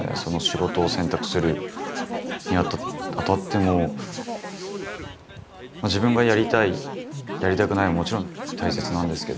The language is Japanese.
仕事を選択するにあたっても自分がやりたいやりたくないはもちろん大切なんですけど。